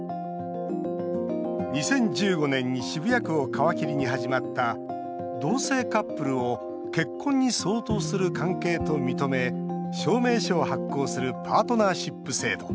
２０１５年に渋谷区を皮切りに始まった同性カップルを結婚に相当する関係と認め証明書を発行するパートナーシップ制度。